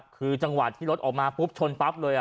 คือจังหวะที่รถออกมาปุ๊บชนปั๊บเลย